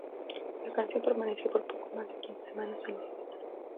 La canción permaneció por poco más de quince semanas en las listas.